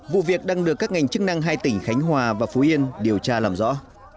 vụ việc đang được các ngành chức năng hai tỉnh khánh hòa và phú yên điều tra làm rõ